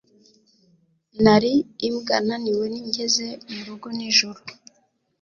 Nari imbwa naniwe ngeze murugo nijoro